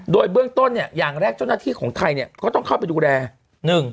โดยเบื้องต้นเนี่ยอย่างแรกเจ้าหน้าที่ของไทยเนี่ยก็ต้องเข้าไปดูแล